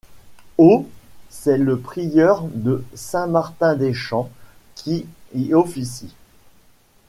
Au —— c'est le prieur de Saint-Martin-des-Champs qui y officie.